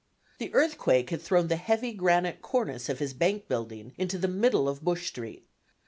The earthquake had thrown the heavy granite cornice of his bank building into the middle of Bush Street.